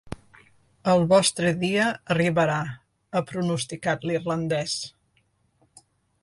El vostre dia arribarà, ha pronosticat l’irlandès.